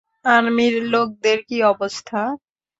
আর্মির লোকেদের কী অবস্থা?